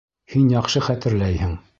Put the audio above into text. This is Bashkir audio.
Һин яҡшы хәтерләйһең!